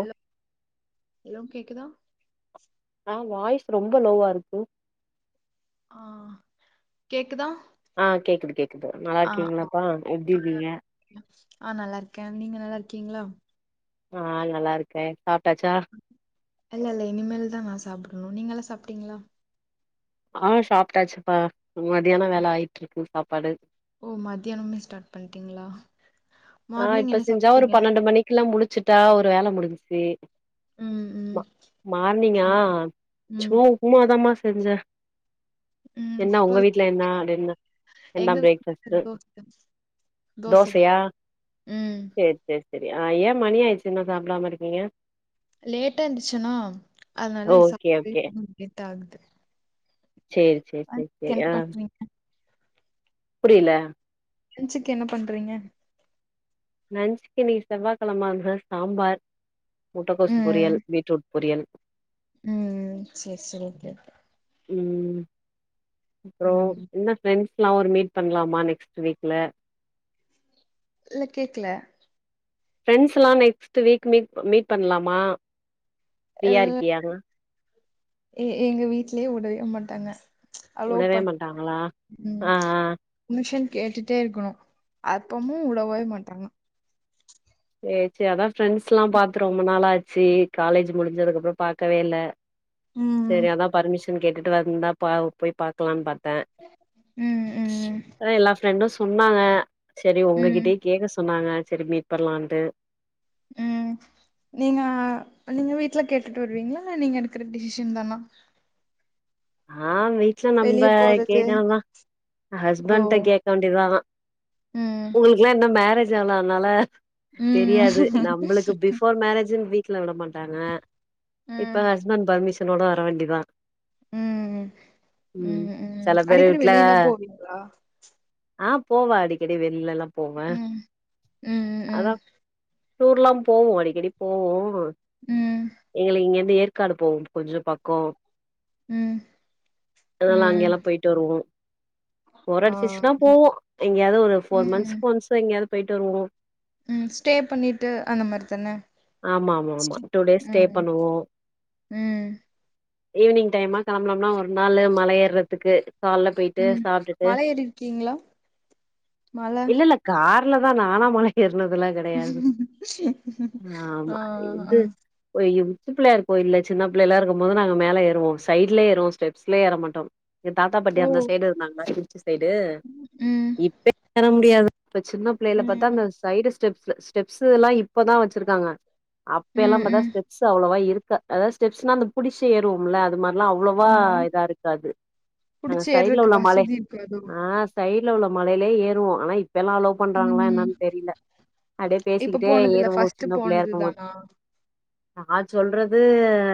Hello hello கேக்குதா ஆ voice ரொம்ப லோவா இருக்கு ஆ கேக்குதா ஆ கேக்குது கேக்குது நல்லா ஆ ஆ இருக்கீங்ளாப்பா எப்டி ஆ இருக்கீங்க ஆ நல்லாருக்கே நீங்க நல்லாருக்கீங்களா ஆ நல்லாருக்கே சாப்டாச்சா இல்ல இல்ல இனிமேல்தா நா சாப்டணு நீங்க எல்லா சாப்டீங்களா ஆ சாப்டாச்சுப்பா மதியான வேல ஆயிட்டு இருக்கு சாப்பாடு ஓ மதியானமே ஸ்டார்ட் பண்டீங்ளா ஆ இப்ப செஞ்சா ஒரு பன்னெண்டு மணிக்கு எல்லா முடிச்சுட்டா ஒரு வேல முடிஞ்ச்சு ம் ம் மா மார்னிங்கா ம் ம் சும்மாஉப்புமா தமா செஞ்ச்சே ம் என்னா இப்போ ஒங்க வீட்ல என்னா டின்னர் எங்க என்ன ஃபிரேக் வீட்ல ஃபாஸ்ட்டு தோச தோச தா தோசயா ம் சேரி சேரி சேரி ஏ மணி ஆயிருச்சு இன்னு சாப்டாம இருக்கீங்க லேட்டா ஏஞ்ச்சுன்னா அதனால ஓகே ஓகே சாப்பட லேட் ஆகுது சேரி சேரி சேரி லன்ச்சுக்கு சேரி என்ன ஆ பண்றீங்க புரில லஞ்சுக்கு என்ன பண்றீங்க லஞ்சக்கு இன்னிக்கி செவ்வா கெழமன்றதா சாம்பார் முட்டக்கோசு பொரியல் ம் பீட்ரூட் பொரியல் ம் சேரி ஓகே ஓகே ம் அப்றோ ம் என்ன ஃப்ரெண்ட்ஸ்ல்லா ஒரு மீட் பண்லாமா நெக்ஸ்ட் வீக்ல இல்ல கேக்ல ஃப்ரெண்ட்ஸ்ல்லா நெக்ஸ்ட்ட் வீக் மீட் மீட் பண்லாமா ஃப்ரீயா இருக்கியாங்க ஏ எங்க வீட்லயே உடவே மாட்டாங்க அளோ உடவே பண்ண மாட்டாங்களா ம் ஆ ஆ பர்மிஷன் கேட்டுட்டே இருக்கணு அப்முமே உடவே மாட்டாங்க சேரி சேரி அதா ஃப்ரெண்ட்ஸ்ல்லா பாத்து ரொம்ப நாளாச்சு காலேஜ் முடிஞ்சதுக்குப்பறொ பாக்கவே இல்ல ம் சேரி அதா பர்மிஷன் கேட்டுட்டு வந்தா பா போய் பாக்கலானு பாத்தே ம் ம் அத எல்லா ஃப்ரெண்டு சொன்னாங்க சேரி ம் ஒங்ககிட்டய கேட்க சொன்னாங்க சேரி மீட் அப்ற வந்து ம் நீங்க நீங்க வீட்ல கேட்டுட்டு வருவீங்ளா இல்ல நீங்க எடுக்ற டிசிஷன் தானா ஆ வீட்டல வெளிய நம்ம போறது கேக்கனுந்தா ஓ ஹஸ்பண்ட்டே கே வேண்டிதா ஆனா ம் ஓங்ளுக்குல்லா இன்னூ மேரேஜ் ஆவாதனால ம் தெரியாது நம்மளுக்கு பிஃபோர் மேரேஜு வீட்ல விட மாட்டாங்க ம் இப்ப ஹஸ்பண்ட் பர்மிஷனோட வர வேண்டிதா ம் ம் ம் சில பேர் அடிக்கடி வீட்ல வெளியேல போவீங்ளா ஆ போவே அடிக்கடி வெளிலல்லா போவே ம் ம் ம் அதா டூர்லா போவோ அடிக்கடி போவோ ம் எங்களுக்கு இங்க இருந்து ஏற்காடு போவு கொஞ்சொ பக்கோ ம் அதனால ம் அங்கேல்லா போயிட்டு வருவோ போர் ஆ அடிச்சிச்சுனா போவோ எங்கேயாவது ஒரு ஃபோர் ம் மந்த்ஸ்க்கு ஒன்ஸ் எங்கயாது போயிட்டு வருவோ ம் ஸ்டே பண்ணிட்டு அந்த மாரி தானே ஆமா ஆமா ஆமா டூ டேஸ் ஸ்டே பண்ணுவோ ம் ஈவினிங் டைமா கேளம்பலம்னா ஒரு நாளு மல ஏறுறதுக்கு கால்ல போயிட்டு ம் சாப்ட்டுட்டு மல ஏறி இருக்கீங்ளா மல இல்ல இல்ல கார்ல தா நானா மல ஏற்னதுல ஆ ஆமா ஆ இது அ இது உச்சிபுள்ளையார் கோயில்ல சின்ன பிள்ளைல்லா இருக்கு போது நாங்க மேல ஏறுவோ சைட்ல ஏறுவோ ஸ்டெப்ஸ்ல ஏற மாட்டோ என் தாத்தா பாட்டி ஓ அந்த சைடு இருந்தாங்களா திருச்சி சைடு ம் இப்ப ஏற முடியாது அப்போ சின்ன பிள்ளைல பாத்தா ம் அந்த சைடு ஸ்டெப்ஸ் ஸ்டெப்ஸ்ல்லா இப்பதா வச் சிருக்காங்க அப்பலா ம் பாத்தா ம் ஸ்டெப்ஸ் அவ்ளவா இருக்கா அதாவ்து ஸ்டெப்ஸ்னா அது புடிச்சி ஏறுவுமுல்ல அது மாரி ஆனா அவ்ளவா ஆமா இதா இருக்காது அந்த புடிச்சு சைட்ல ஏறக்கு உள்ள மல வசதி இருக்காதோ ஆ சைட்ல உள்ள மலைலே ஏறுவோ ஆனா இப்பெல்லா அலோவ் பண்றாங்களா ம் என்னன் தெரில அப்டியே இப்ப பேசிக்கிட்டே போனதுல ஏறுவங்க ஃபர்ஸ்ட் சின்ன புள்ளையா போனது இருக்கும் போது தானா நா சொல்றது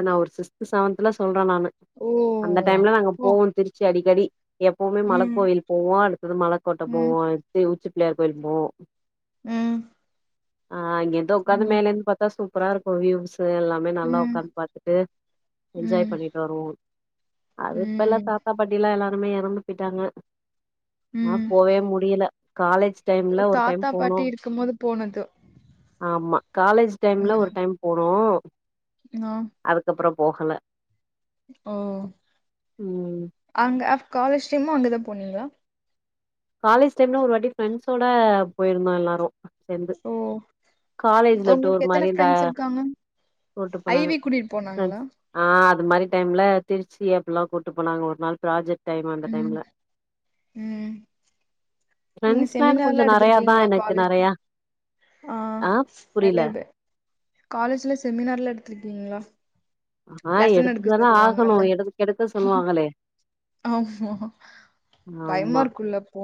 நா ஒரு சிக்ஸ்த்து செவன்த்ல சொல்ற நானு ஓ அந்த டைம்ல நாங்க அப்போ போவோம் திருச்சி அடிக்கடி எப்பவுமே ம் மலக் கோவில் போவோம் அடுத்தது மலக்கோட்ட ம் போவோம் அடுத்து உச்சிப்பிள்ளையார் கோயில் போவோம் ம் ஆ இங்கேந்து உக்காந்து ம் மேல இருந்து பாத்தா சூப்பரா இருக்கும் வியூஸ் எல்லா மே நல்லா ம் உக்காந்து பாத்துட்டு என்ஜாய் ம் பண்ணி வருவோம் அது இப்பல்லா ம் தாத்தா பாட்டில்லா எல்லாருமே எறந்து போயிட்டாங்க நா ம் போவே முடியல காலேஜ் டைம்ல ஒரு டைம் தாத்தா போனோ பாட்டி இருக்கும்போது போனது ஆம்மா காலேஜ் டைம்ல ஒரு டைம் போனோ நீங்களா அதுக்கப்புறம் போகல ஓ ஓ ம் அங்க ஆ காலேஜ் டைம்ல அங்கதா போனீங்ளா காலேஜ் டைம்ல ஒரு வாட்டி ஃப்ரெண்ட்ஸோட போயிருந்தோ எல்லாரும் ஓ டூர் உங்களுக்கு மாரி எத்தன இந்த ஃப்ரெண்ட்ஸ் இருக்காங்க கூட்டு ஐ போனாங்க வி கூட்டிட் போனாங்ளா ஃப்ரெண்ட்ஸ் ஆ அது மாரி டைம்ல திருச்சி அப்டியெல்லா கூட்டு போனாங்க ஒரு நாள் ப்ராஜெக்ட் டைம் அந்த ம் டைம்ல ம் நீங்க ஃப்ரெண்ட்ஸ்லா எனக்கு கொஞ்சோ செமினார்லா நெறையாதா எடுத்திருக்கீங்ளா எனக்கு காலேஜ்ல நெறையா ஆ நெறைய பேர் காலேஜ்ல செமினார்லா எடுத்திருக்கீங்ளா ஆ எடுத்து தான ஆகணும் எடுக் எடுக்க சொல்லுவாங்களே ஆமா பயமா இருக்குல்ல அப்போ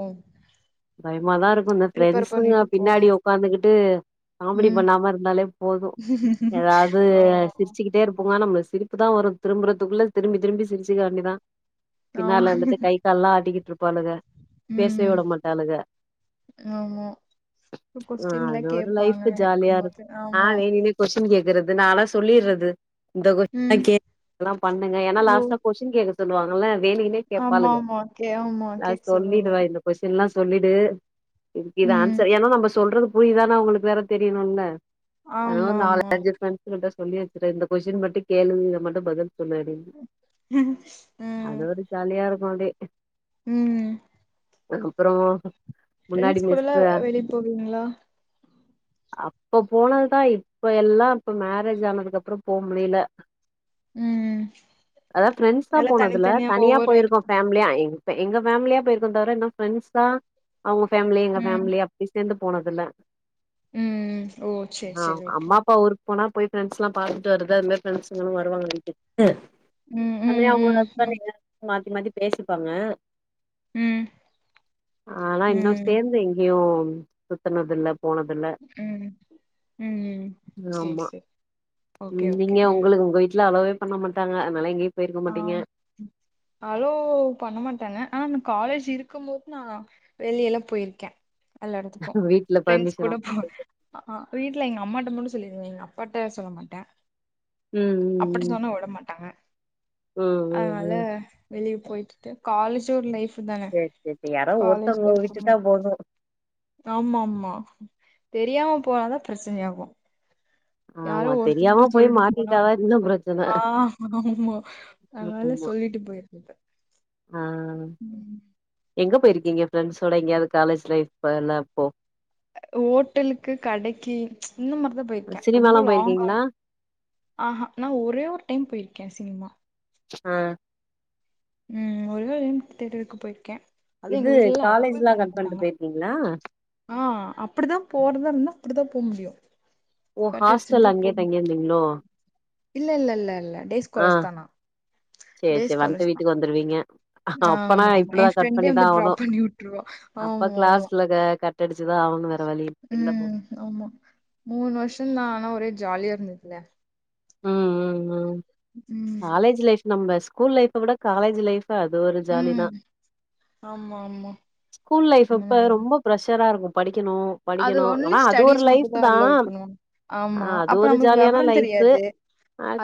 பயமா தா இருக்கும் இந்த ப்ரிப்பேர் ஃப்ரெண்ட்ஸுங்க பண்ணிட்டு போனு பின்னாடி உக்காந்துகிட்டு காமெடி ம் பண்ணாம இருந்தாலே போதும் எதாவ்து ஆமா சிரிச்சுக்கிட் பண்ணா நம்ள சிரிப்பு தா வரும் திரும்புறதுக்குள்ள திரும்பி திரும்பி சிரிச்சிக்க வேண்டிதா ஆமா பின்னால இருந்துட்டு கை கால்லா ஆட்டிகிட்ருப்பாளுங்க பேசவே ம் விட மாட்டாளுங்க ஆமா ஆ கொஸ்டின்லா அது ஒரு கேப்பாங்க லைஃப் ஜாலியா இருக்கு எடுக்கும்மோது ஆ ஆம்மா வேணுனே கொஸ்டின் கேக்குறது நான்ல்லா சொல்லிறது இந்த கொஸ் [inaudible] தா ம் கேளு [inaudible] பண்ணுங்கா ஏன்னா ஓ லாஸ்ட்டா கொஸ் டின் கேக்க சொல்லுவாங்கள வேனும்னே ஆமா கேப்பாளுங்க ஆமா கே ஆமா நா கேக் சொல்லுவாங்க. சொல்லிடுவ இந்த கொஸ்டின்லா சொல்லிடு இதுக்கு இது ம். ஆன்சர் ஏன்னா நம்ப சொல்றது புரிதான்னு அவங்களுக்கு வேற தெரியணுல ஆமா அதுவும் நாலு ஆமா. அஞ்சு ஃப்ரெண்ட் ட்ஸ்ங் கிட்ட சொல்லி வச்சிருவ இந்த கொஸ்டின் மட்டு கேளு இத மட்டு பதில் சொல்லு அப்டின்னு ஆ அ அது ஒரு ஜாலியா இருக்கும் அப்டே ஆ அப்பறங்கோ ஃப்ரெண்ட்ஸ் கூடலா வெளிய போவீங்களா அப்ப போனதுதா இப்ப எல்லா இப்ப மேரேஜ் ஆனதுக்கு அப்பறோ போவ் முடியில ம். அதா பிரெண்ட்ஸ் தா எல்லாம் போனதுல தனித்தனியா தனியா ஒவ்வொரு போயிருக்கோ இடத்து ஃபேமிலியா எங் ப்ப எங்க பேமிலியா போயிருக்கோ தவிர இன்னு ப்ரெண்ட்ஸ் தா அவுங்க பேம்லி எங்க ம். பேம்லிஅப் ப்பி சேந்து போனதுல ம். ஓ! சரி ஆ சரி ஓகே. அம்மா அப்பா ஊர்க் போனா போய் ஃப்ரெண்ட்ஸ் ல்லா பாத்துட்டு வருது அது மாறி ஃப்ரெண்ட்ஸ்ங்களு வருவாங்க வீட்டுக்கு ம் தனியா ம் போன ம் தன்யா ம் என்ன எல்லா மாத்தி மாத்தி பேசிப்பாங்க ம் ஆனா இன்னு ம் சேந்து எங்கேயு சுத்தனதில்ல போனதுல ம் ம். ம். சரி ஆமா சரி. ஓகே ம் ஓகே. நீங்க ம். உங்களுக்கு உங்க வீட்டுல அவ்ளவே பண்ண மாட்டாங்க அதனால எங்கேயு போயிருக்க ஆ மாட்டீங்க அளோ பண்ணமாட்டாங்க ஆனா நா காலேஜ் இருக்கும் போது நா வெளியல்லா போயிருக்கே எல்லா எடத்துக்கு வீட்ல ப்ரெண்ட்ஸ் பர்மிஷன் கூட வாங்க போ ஆ வீட்ல எங்க அம்மாட்ட மட்டு சொல்லிருவே எங்க அப்பாட்ட சொல்ல மாட்டே ம் அப்பட்டி சொன்னா விட மாட்டாங்க ம் ம் ம் ம் அனால ம் வெளிய போயிக்டுட்டு காலேஜு ஒரு லைஃப் பு தான காலேஜ்ல இருக்குமோ ஓஓ ஆமா ஆமா தெரியாம போனாதா பிரச்சனை ஆகு யாரோ ஆமா ஒருத்தர்கிட்ட தெரியாம போய் சொல்லிட்டு போனா மாட்டிக்கிட்டாதா இன்னு பிரச்சன ஆ ஆமா அதனால ஆமா. சொல்லிட்டு போய் ஆ ம் எங்க போயிருக்கீங்க ஃப்ரெண்ட்ஸோட எங்கேயாது காலேஜ் லைப் எல்லா அப்போ ஓட்டலுக்கு கடைக்கி இந்த மாரிதா போயிருக்கே சினிமாலா ரொம்ப லாங்கா போயிருக்கீங்களா ஆ ஹா நா ஒரே ஒரு டைம் போயிருக்கே சினிமா ஆ ம் ஒரு தேலுன் தேட்டருக்கு போயிருக்கே அது எங்க இது வீட்லலா அளோவே காலேஜ்லா பன்ன கட் பண்ட்டு மாட்டாங்க போயிருக்கீங்களா ஆ அப்டிதா போறதா இருந்தா அப்டிதா போவ் முடியு ஓ ஹாஸ்டல் அங்கே தங்கியிருந்தீங்களோ இல்ல இல்ல இல்ல இல்ல டேஸ் கோலேஸ் தா னா செரி செரி வன்ட்டு வீட்டுக்கு வந்துருவீங்க அப்பனா ஆமா ஆமா இப்டிதா என் கட் ஃப்ரெண்டே பண்ணிதா வந்து ஆகணு ட்ராப் பண்ணி விட்டுருவா. அப்ப ஆமா ஆமா கிளாஸ்ல கட்டடிச்சுதா ஆவன்னு வேர வழி இல்ல போ ம் ஆமா மூண் வர்ஷோந் தா ஆனா ஒரே ஜாலியா இருந்ததுல ம் ம் ம் ம் காலேஜ் லைஃப் நம்ம ஸ்கூல் லைஃப் விட காலேஜ் லைஃப் ஃபு அது ஒரு ஜாலி தா ம் ஆமா ஆமா. ஸ்கூல் ஆமா லைப்அப்ப நல்லா ரொம்ப ப்ரெஷராக இருக்கு படிக்கணு அது படிக்கணு ஒன்லி ஆனா அது ஒரு ஸ்டடீஸ் மட்டும் லைஃபு தான் தா அலோவ் பண்ணுவாங்க. ஆ ஆமா. அது அப்ப ஒரு நம்மளுக்கு ஜாலியான வெவரம் லைஃப் ஃபு தெரியாது.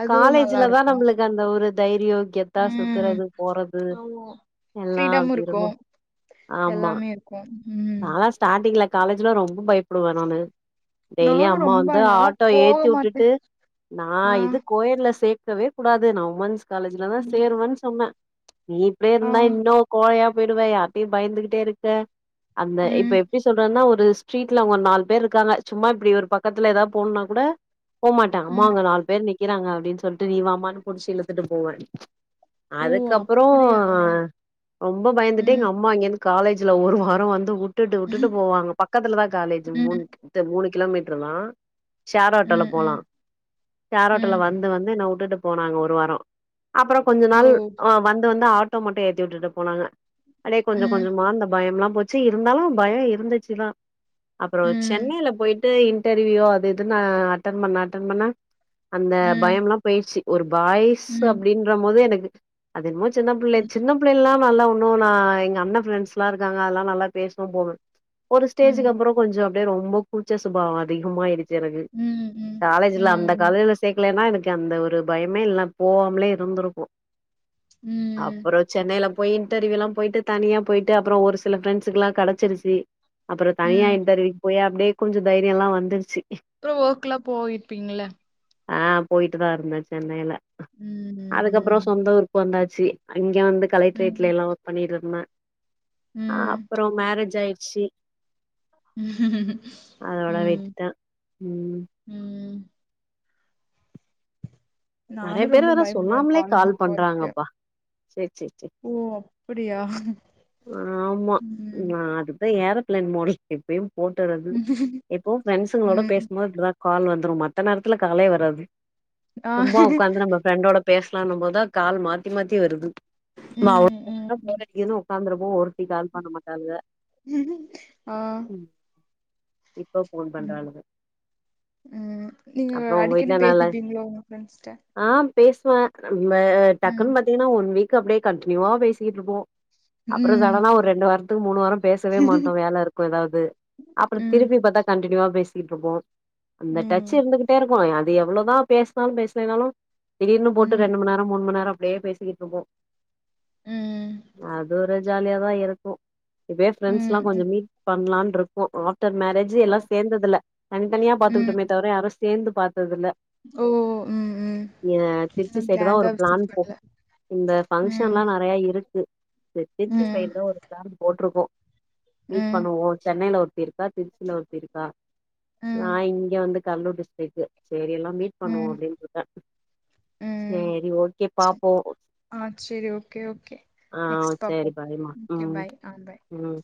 அதுவும் நல்லா காலேஜ்ல தா இருக்கும். நம்மளுக்கு அந்த ஒரு தைரியோ கெத்தா ம். சுத்துறது போறது ஆமா. எல்லா ஃப்ரீடமும் அப்டி இருக்கு இருக்கும். ஆமா எல்லாமே இருக்கும் ம் நாலா ஸ்டா டிங்ல காலேஜ்ல ரொம்ப பயப் புடுவே நானு டெய்லியு நானும் அம்மா ரொம்ப வந்து நாளா ஆட்டோ போக ஏத்தி மாட்டேன். வுட்டுட்டு நா ஆ. இது கோயட்ல சேக்கவே கூடாது நா உமன்ஸ் காலேஜ்லதா ம். சேருவன் சொன்ன நீ இப்டியே ஆ. இருந்தா இன்னு கோழயா போயிடுவே யாரிட்டயு பயந்துக்ட்டே இருக்க அந்த இப்ப ம். எப்பிஸ் சொல்றன்னா ஒரு ஸ்ட்ரீட்லங்க நால் பேர் இர்க்காங்க சும்மா இப்டி ஒரு பக்கத்துல ஏதாவது போணுன்னா குட ட அம்மா ம். அவங்க நாலு பேர் நிக்கிறாங்க அப்டின் சொல்ட்டு நீவான்னு புடிச்சி இழுத்துட்டு போவ ஓ! அதுக்கபறொ அப்படியா? ரொம்ப பயந்துட்டு ம். எங்க அம்மா அங்கேர்ந்து காலேஜ்ஜுல்ல ஒரு வாரொ வந்து வுட்டுட்டு வுட்டுட்டு ம். போவாங்க பக்கத்துலதா காலேஜ்ஜு மூண் ட்ட மூணு கிலோமீட்டர்தா ஷேர்ஆட்டோல ம். போலா ம். ஷேர்ஆட்டோல்ல ம். வந்து வந்து என்ன வுட்டுட்டு போனாங்க ஒரு வாரொ அப்பற கொஞ்சொ ஓ! நாள் வந்து வந்து ட்டோ மட்டு ஏத்தி வுட்டுட்டு போனாங்க அடே கொஞ்சொ ம். கொஞ்சொ அந்தபயம்ல்லா போ ச்சு இர்ந்தாலு பயொ இர்ந்துச்சுதா அப்பறொ ம். சென்னைல போயிட் ட்டு இன்டர்வியூ அது இதுன்னு அட்டன் பண்ண அட்டன் பண்ண அந்த ம். பயம்ல்லாம் பெயிர்ச்சு ஒரு பாய்ஸ்ஸு ம். அப்டின்றமோது எனக் அது என்மோ சின்னபுள்ளை ம். சின்னப் புள்ளைலா நல்லா ஒண்ணும் நா எங்க அண்ண பிரப்ரெண்ட்ஸ்லா இருக்காங்க அல்லா நல்லா பேசுவ போவ ஒரு ஸ்டேஜுக்கு ம். ம். அப்புற கொஞ்சொ அப்டே ரொம்ப கூச்ச சுபாவ அதிகமாயிடுச்சு எனக்கு ம். காலேஜ்ல்ல அந்த ம். காலேஜ்ல சேக்லேன்னா எனக்கு அந்த ஒரு பயமே இல்லாம் போவாமலே இருந்துருக்கு ம். அப்பறொ சென்னைல்லா போய் இன்டர்வியூலா போயிட்டு தனியா பொயிட்டு அப்பற ஒரு சில ஃப்ரெ்ஸ்குலா கெடச்சிருச்சு அப்பறொ தனியா ம். இன்டர்வூயுக்கு போய் அப்டே கொஞ்சொ தைரியஎல்லா வந்துருச்சு பறொ ஒக்ல்லா போயிருப்பீங்கள்ள அ போயிட்டு தா இருந்த சென்னையில அதுக்கப்பற ம். சொந்த ஊர்க்கு வந்தாச்சு அங்க வந்து கலெக்ட்ரேட்ல ம். எல்லா ஒக் பண்ணிட்ருந்த ம். அப்பறொ மேரேஜ் ஆய்ட்ச்சு ம் அதோட ம் விட்டுட்டே ம் ம் நறைய நானும் பேர் ரொம்ப வேற பயப்படுவேன் சொல்லாமலே கால் காலேஜுக்கு போறதுக்கு. பண்றாங்கப்பா செர் செர் செர் ஓ! அப்படியா? ஆம்மா ம். நா அதுதா ஏற பளேன் மோட்டுல்ல எப்பியு போட்டுற்றது எப்போவு ரெண்ட்ஸங்களோட ம். பேஸ்ம்போதுப்படிதா கால் வந்துரு மத்தநேர்த்துல காலேவராது ஆ. சும்மா உக்காந்து நம்ம ஃப்ரெண்டோட பேஸ்லான்னும் போதா கால் மாத்தி மாத்தி வருது மாவ் ம். [inaudible] ம். போர்அடிக்குதுன்னு உக்காந்துருப்போ ஒருத்தி கால் பண்ணமாட்டாங்க அ ம் ப் ம் ம் நீங்க அப்றோ உங்க அடிக்கடி வீட்ல நல்லா பேசப்பீங்களோ உங்க பிரின்ஸ்ட்ட ஆ பேசுவ ம்ப டக்குன் ம். பாத்தீங்கன்னா ஒன் வீக் அப்டே கன்டினியூவா பேசிக்கிட்ருப்போ அப்பற ம். சடனா ஒரு ரெண்டு வாரத்துக்கு மூணு வாரொ பேசவே மாட்டோ வேல இருக்கு எதாவ்து அப்ற ம். திருப்பி பாத்த கண்டின்யுவா பேசிக்கிட்டுருப்போ அந்த டச்சு ம். இருந்துகிட்டே இருக்கு அது எவ்வளோதா பேஸ்னாலு பேஸ் சிலினாலு திடீர்ன்னு போட்டு ம். ரெண்டு மண்நேரொ மூனுமண்நேரொ அப்டே பேசிக்கிட்ருப்போ ம். அது ஒரு ஜாலியாதா இருக்கு இப்பே ஃப்ரெண்ட்ஸ்லா ம். ம். கொஞ்சொ மீட் பண்லான் ருக்கோ ஆஃப்டர் மேரேஜ் ஜு ஓ! எல்லாசேந்ததுல்ல தனித்தனியா ம். பா்த்துக்கிட்டோமே தவிர யாரு சேந்து பாத்ததுல்ல ஓ ம் ம் ங்க திருச்சி செடு தா கேங்கா ஒரு பிளான் விசிட் போ பண்ணல. இந்த ம். பஃபங்க்ஷன்லா நறைய இருக்கு திருச்சி ம். சைடுதா ஒரு ப்ளான் போட்டிருக்கோ மீட் ம் பண்ணுவோ சென்னையில ஒருத்தி இருக் க்கா திருச்சில ஒருத்தி இருக்கா நா ம் இங்க வந்து கல்லூர் டிஸ்டிக்கு சேரி எல்லா மீட் பண்ணுவோ ம் அப்டின்ருக்க ம் சேரி ஓககே சரி. பாப்போ ஆ சேரி ஓகே ஓகே ஆ நெக்ஸ்ட் பாப்போ சேரி பாய்ம்மா, ஓகே ம், பாய் ஆ பாய் ம்